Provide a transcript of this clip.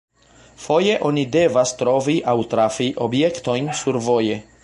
Foje oni devas trovi aŭ trafi objektojn survoje.